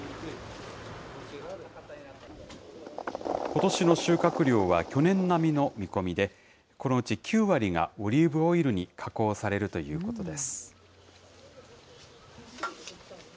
ことしの収穫量は去年並みの見込みで、このうち９割がオリーブオイルに加工されるということです。